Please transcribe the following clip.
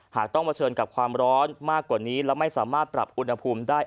ต้องเผชิญกับความร้อนมากกว่านี้และไม่สามารถปรับอุณหภูมิได้